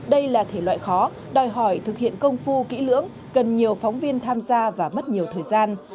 đây là thể loại khó đòi hỏi thực hiện công phu kỹ lưỡng cần nhiều phóng viên tham gia và mất nhiều thời gian